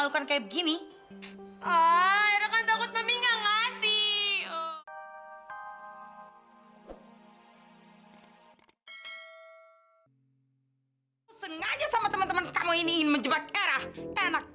papi jahat banget sih